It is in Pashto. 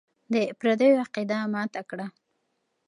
د پردیو عقیده ماته کړه.